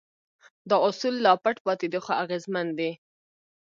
دا اصول لا پټ پاتې دي خو اغېزمن دي.